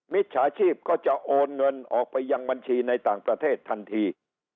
มิจฉาชีพก็จะโอนเงินออกไปยังบัญชีในต่างประเทศทันที